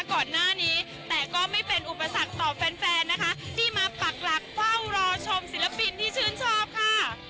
ก่อนหน้านี้แต่ก็ไม่เป็นอุปสรรคต่อแฟนแฟนนะคะที่มาปักหลักเฝ้ารอชมศิลปินที่ชื่นชอบค่ะ